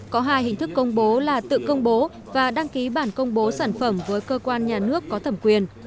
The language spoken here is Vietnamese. có hai hình thức công bố là tự công bố và đăng ký bản công bố sản phẩm với cơ quan nhà nước có thẩm quyền